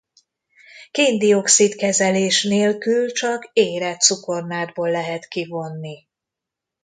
Kén-dioxid-kezelés nélkül csak érett cukornádból lehet kivonni.